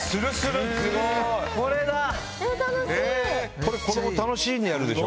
これ子供楽しんでやるでしょ。